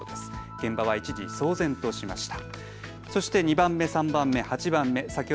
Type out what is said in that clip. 現場は一時、騒然としました。